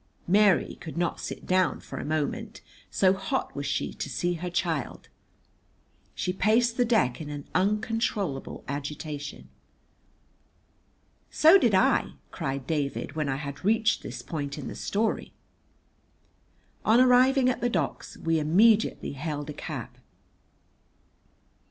Mary could not sit down for a moment, so hot was she to see her child. She paced the deck in uncontrollable agitation. "So did I!" cried David, when I had reached this point in the story. On arriving at the docks we immediately hailed a cab.